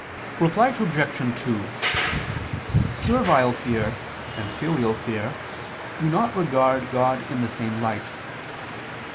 Reply Obj. 2: Servile fear and filial fear do not regard God in the same light.